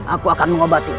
aku akan mengobatinmu